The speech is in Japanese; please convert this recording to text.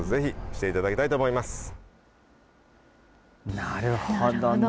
なるほどね。